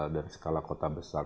dari skala kota besar